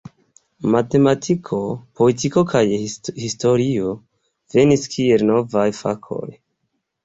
Matematiko, poetiko kaj historio venis kiel novaj fakoj.